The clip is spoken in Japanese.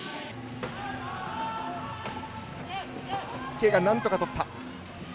池がなんとかとった。